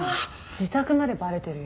自宅までバレてるよ。